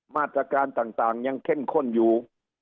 มาตรการต่างยังเข้มข้นอยู่